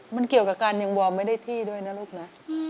มันเกี่ยวกับการยังวอร์มไม่ได้ที่ด้วยนะลูกนะ